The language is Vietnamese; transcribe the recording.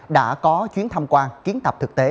đã có chuyến thăm quan kiến tập thực tế